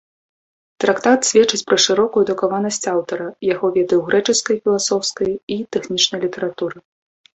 Трактат сведчыць пра шырокую адукаванасць аўтара, яго веды ў грэчаскай філасофскай і тэхнічнай літаратуры.